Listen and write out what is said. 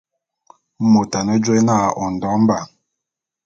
Mot ane jôé na Ondo Mba.